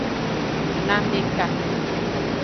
Lanmeka.